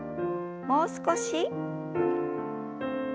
もう少し。